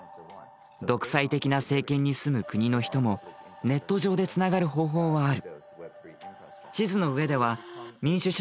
独裁的な政権に住む国の人もネット上でつながる方法はある。